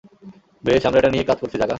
বেশ, আমরা এটা নিয়েই কাজ করছি, জাগা।